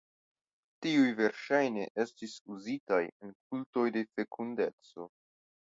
Tiuj verŝajne estis uzitaj en kultoj de fekundeco.